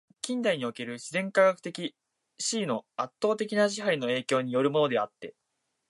近代における自然科学的思惟の圧倒的な支配の影響に依るものであって、